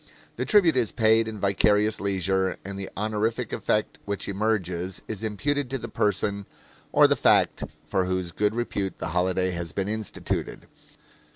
The tribute is paid in vicarious leisure, and the honorific effect which emerges is imputed to the person or the fact for whose good repute the holiday has been instituted.